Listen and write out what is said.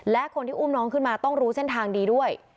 และคนที่อุ้มน้องขึ้นมาต้องรู้เส้นทางดีด้วย